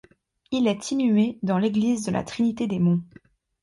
Il est inhumé dans l'église de la Trinité-des-Monts.